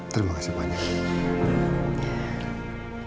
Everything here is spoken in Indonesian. terima kasih banyak